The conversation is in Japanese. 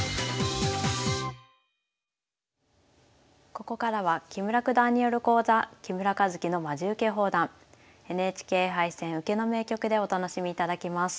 ここからは木村九段による講座「木村一基のまじウケ放談ＮＨＫ杯戦・受けの名局」でお楽しみいただきます。